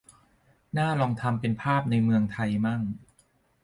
น่าลองทำเป็นภาพในเมืองไทยมั่ง